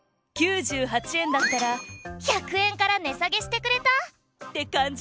９８円だったら「１００円から値さげしてくれた」ってかんじない？